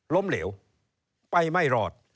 เหลวไปไม่รอด